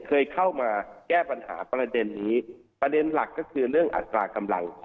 เคยเข้ามาแก้ปัญหาประเด็นนี้ประเด็นหลักก็คือเรื่องอัตรากำลัง